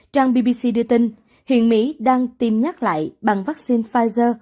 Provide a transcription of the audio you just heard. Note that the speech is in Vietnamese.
trang bbc đưa tin hiện mỹ đang tìm nhắc lại bằng vaccine pfizer